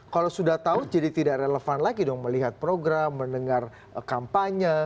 kalau sudah tahu jadi tidak relevan lagi dong melihat program mendengar kampanye